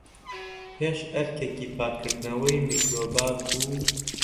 پێش ئەرکێکی پاکردنەوەی میکرۆبات، و